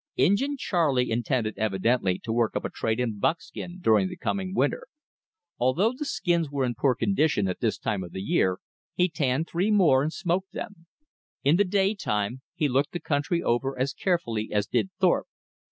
Injin Charley intended evidently to work up a trade in buckskin during the coming winter. Although the skins were in poor condition at this time of the year, he tanned three more, and smoked them. In the day time he looked the country over as carefully as did Thorpe.